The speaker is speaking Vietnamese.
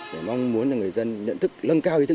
để mong muốn người dân lân cao ý thức